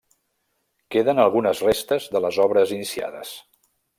Queden algunes restes de les obres iniciades.